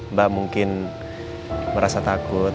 mbak mungkin merasa takut